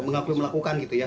mengakui melakukan gitu ya